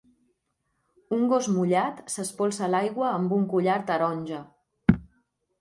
Un gos mullat s'espolsa l'aigua amb un collar taronja.